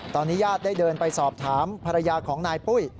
ตอนนี้ญาติได้เดินไปสอบถามภรรยาของนายปุ้ย